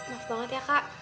maaf banget ya kak